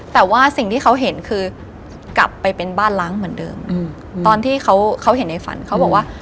แต่ว่าสิ่งที่เขาเห็นคือกลับไปเป็นบ้านล้างเหมือนเดิมตอนที่เขาเขาเห็นในฝันเขาบอกว่า